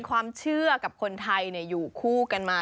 ความเชื่อกับคนไทยอยู่คู่กันมา